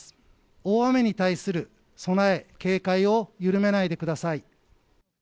大雨に対する備え、警戒を緩めないでください。